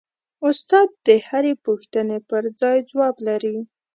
استاد د هرې پوښتنې پرځای ځواب لري.